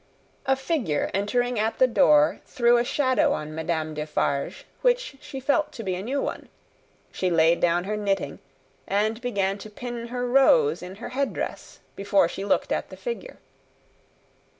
A figure entering at the door threw a shadow on Madame Defarge which she felt to be a new one. She laid down her knitting, and began to pin her rose in her head dress, before she looked at the figure.